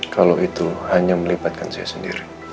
kalau itu hanya melibatkan saya sendiri